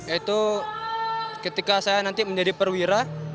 itu ketika saya nanti menjadi perwira